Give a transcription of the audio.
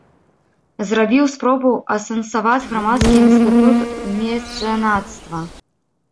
Зрабіў спробу асэнсаваць грамадскі інстытут мецэнацтва.